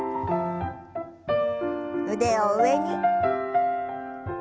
腕を上に。